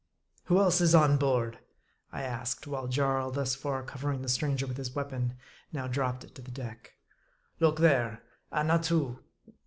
"Who else is on board ?" I asked ; while Jarl, thus far covering the stranger with his weapon, now dropped it to the deck. " Look there : Annatoo